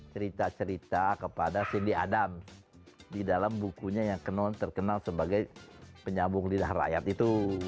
cerita cerita kepada sindi adam di dalam bukunya yang terkenal sebagai penyambung lidah rakyat itu